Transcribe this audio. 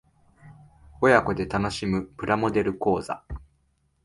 親子で楽しむプラモデル講座